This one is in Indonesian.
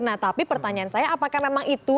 nah tapi pertanyaan saya apakah memang itu